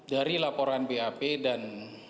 dari laporan bap dan